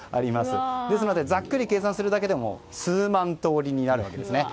ざっくり計算するだけでも数万通りになるわけです。